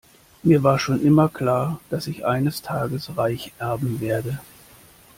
Mir war schon immer klar, dass ich eines Tages reich erben werde.